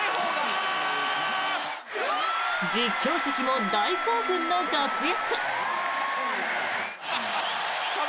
実況席も大興奮の活躍。